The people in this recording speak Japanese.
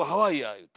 言うて。